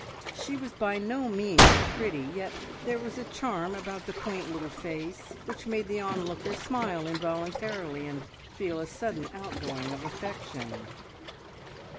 She was by no means pretty, yet there was a charm about the quaint little face which made the onlooker smile involuntarily and feel a sudden outgoing of affection.